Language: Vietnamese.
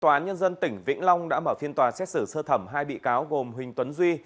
tòa án nhân dân tỉnh vĩnh long đã mở phiên tòa xét xử sơ thẩm hai bị cáo gồm huỳnh tuấn duy